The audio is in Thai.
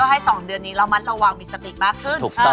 ก็ให้๒เดือนนี้เราระวังมิสติกมากขึ้น